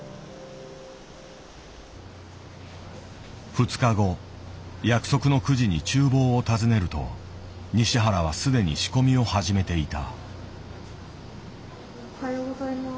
２日後約束の９時に厨房を訪ねると西原は既に仕込みを始めていた。